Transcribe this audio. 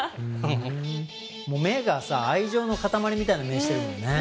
もう目がさ愛情の塊みたいな目してるもんね